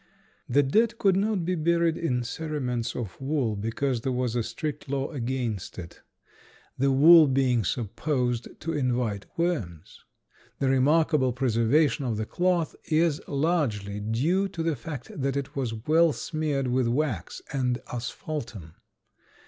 The dead could not be buried in cerements of wool because there was a strict law against it, the wool being supposed to invite worms. The remarkable preservation of the cloth is largely due to the fact that it was well smeared with wax and asphaltum.